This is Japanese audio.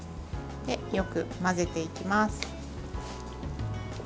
よく混ぜていきます。